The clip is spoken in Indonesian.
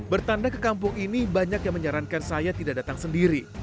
bertanda ke kampung ini banyak yang menyarankan saya tidak datang sendiri